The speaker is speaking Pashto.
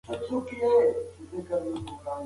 ملکیار بابا د مینې او محبت لاروی دی.